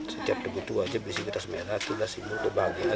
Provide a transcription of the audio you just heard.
setiap tebu itu aja berisi kertas merah itu adalah simbol kebahagiaan